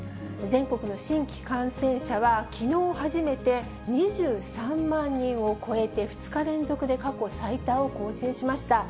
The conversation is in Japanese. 全国の新規感染者はきのう初めて２３万人を超えて、２日連続で過去最多を更新しました。